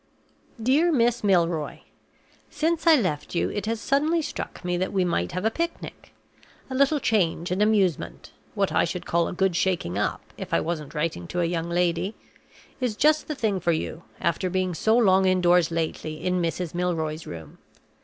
"DEAR MISS MILROY Since I left you it has suddenly struck me that we might have a picnic. A little change and amusement (what I should call a good shaking up, if I wasn't writing to a young lady) is just the thing for you, after being so long indoors lately in Mrs. Milroy's room.